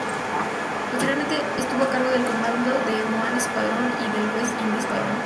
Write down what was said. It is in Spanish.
Posteriormente estuvo a cargo del comando del "Home Squadron" y del "West India Squadron".